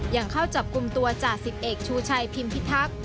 ยังเข้าจับกลุ่มตัวจ่าสิบเอกชูชัยพิมพิทักษ์